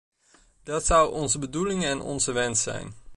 Dat zou onze bedoeling en onze wens zijn.